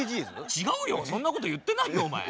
違うよそんなこと言ってないよお前。